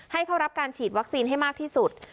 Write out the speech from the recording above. ให้เข้ารับการฉีดวัคซีนให้มากที่สุด